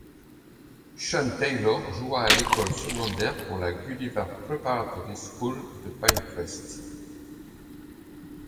Sean Taylor joua à l'école secondaire pour la Gulliver Preparatory School de Pinecrest.